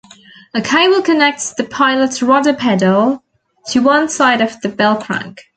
A cable connects the pilot's rudder pedal to one side of the bellcrank.